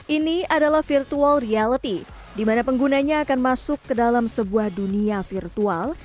ini adalah virtual reality di mana penggunanya akan masuk ke dalam sebuah dunia virtual